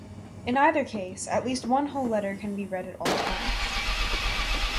In either case, at least one whole letter can be read at all times.